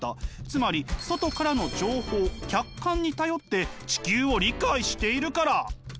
つまり外からの情報客観に頼って地球を理解しているから！